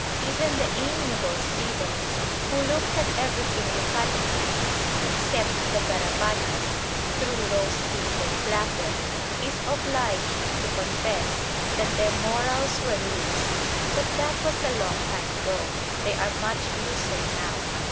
Even the amiable Stephens, who looked at everything Yucatecan, except the garrapatas, through rose tinted glasses, is obliged to confess that their morals were loose. But that was a long time ago. They are much looser now.